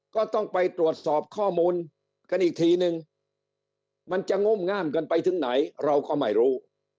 ก็ต้องไปตรวจสอบข้อมูลกันอีกทีนึงมันจะง่มง่ามกันไปถึงไหนเราก็ไม่รู้